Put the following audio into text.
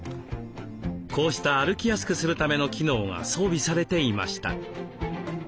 こうした歩きやすくするための機能が装備されていました。